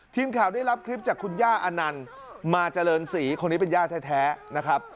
ทีมข่าวได้รับคลิปจากคุณย่าอนันต์มาเจริญศรีคนนี้เป็นย่าแท้นะครับ